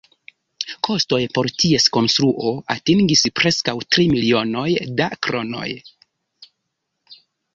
Kostoj por ties konstruo atingis preskaŭ tri milionoj da kronoj.